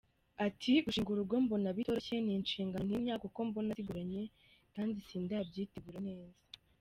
Ati “Gushinga urugo mbona bitoroshye, ni inshingano ntinya kuko mbona zigoranye kandi sindabyitegura neza.